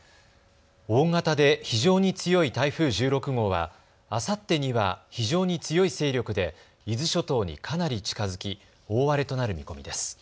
大型で非常に強い台風１６号はあさってには非常に強い勢力で伊豆諸島にかなり近づき大荒れとなる見込みです。